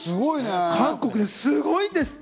韓国ですごいんですって。